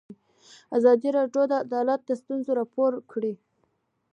ازادي راډیو د عدالت ستونزې راپور کړي.